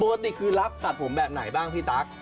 ปกติคือรับตัดผมแบบไหนบ้างพี่ตั๊ก